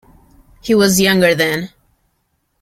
He was younger then.